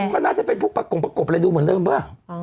ก็น่าจะเป็นพวกประกบเป็นพวกประกบอะไรดูเหมือนเริ่มวะ